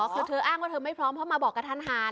คือเธออ้างว่าเธอไม่พร้อมเพราะมาบอกกับทันหาร